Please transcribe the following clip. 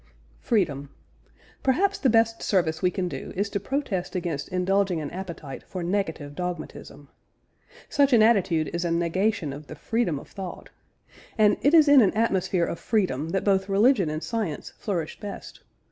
FREEDOM. Perhaps the best service we can do is to protest against indulging an appetite for negative dogmatism. Such an attitude is a negation of the freedom of thought. And it is in an atmosphere of freedom that both religion and science flourish best.